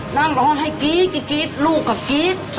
หน้าน้อยรอให้กรี๊ดรูปก็กรี๊ด